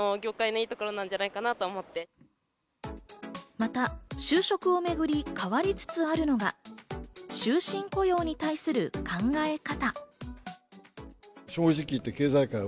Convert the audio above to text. また就職をめぐり変わりつつあるのが、終身雇用に対する考え方。